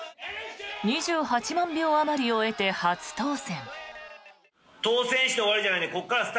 ２８万票あまりを得て初当選。